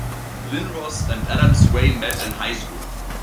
Linnros and Adams-Ray met in High School.